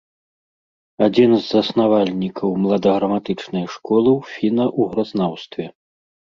Адзін з заснавальнікаў младаграматычнай школы ў фіна-угразнаўстве.